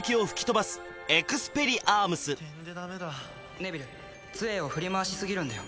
てんでダメだネビル杖を振り回しすぎるんだよ